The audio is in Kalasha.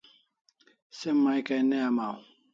Se mai kai ne amaw